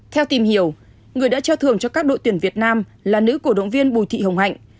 theo tìm hiểu người đã trao thưởng cho các đội tuyển việt nam là nữ cổ động viên bùi thị hồng hạnh